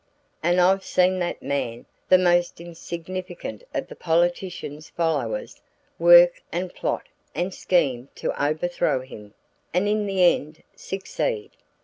And I've seen that man, the most insignificant of the politician's followers, work and plot and scheme to overthrow him; and in the end succeed.